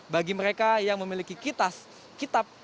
bagi mereka yang memiliki kitas kitab